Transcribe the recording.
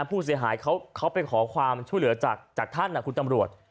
ผู้เสียหายเขาไปขอความช่วยเหลือจากท่านคุณตำรวจ